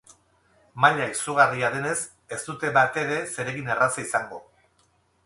Maila izugarria denez, ez dute batere zeregin erraza izango.